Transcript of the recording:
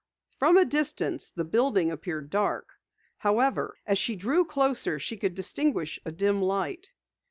From a distance the building appeared dark. However, as she drew closer she could distinguish a dim light.